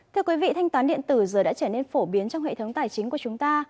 thưa quý vị thanh toán điện tử giờ đã trở nên phổ biến trong hệ thống tài chính của chúng ta